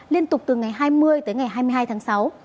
liên tục từ ngày hai mươi tới ngày hai mươi hai tháng sáu